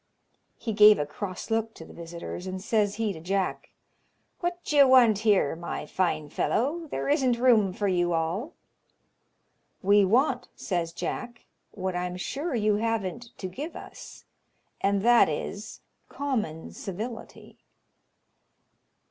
He gave a cross look to the visitors, and says he to Jack, "What do you want here, my fine fellow? there isn't room for you all." "We want," says Jack, "what I'm sure you haven't to give us and that is, common civility."